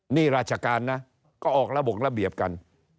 หนี้ราชการนะก็ออกระบบระเบียบกัน